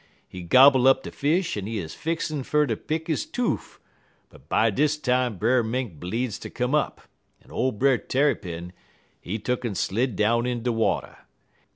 He gobble up de fish, en he 'uz fixin' fer ter pick he toof, but by dis time Brer Mink bleedz ter come up, en ole Brer Tarrypin, he tuck'n slid down in de water.